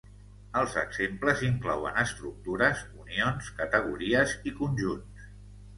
Els exemples inclouen estructures, unions, categories i conjunts.